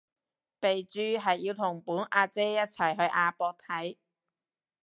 備註係要同本阿姐一齊去亞博睇